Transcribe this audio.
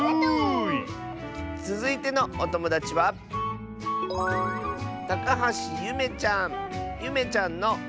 つづいてのおともだちはゆめちゃんの。